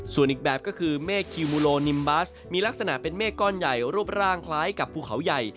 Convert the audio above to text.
ส่วนอีกแบบก็คือเมฆคิวมูโลนิมบัสมีลักษณะเป็นเมฆก้อนใหญ่รูปร่างคล้ายกับภูเขาใหญ่